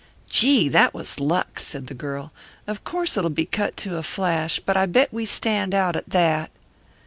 "Gee, that was luck!" said the girl. "Of course it'll be cut to a flash, but I bet we stand out, at that."